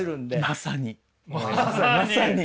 まさに。